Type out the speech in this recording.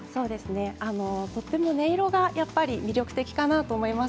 とても音色がやっぱり魅力的かなと思います。